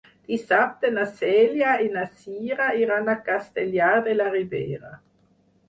Dissabte na Cèlia i na Cira iran a Castellar de la Ribera.